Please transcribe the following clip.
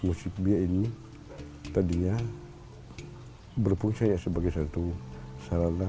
dan musik biaya ini tadinya berpunca sebagai satu sarana